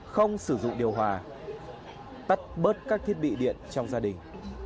không sử dụng điều hòa tắt bớt các thiết bị điện trong gia đình